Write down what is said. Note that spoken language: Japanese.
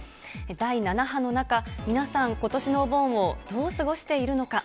第７波の中、皆さん、ことしのお盆をどう過ごしているのか。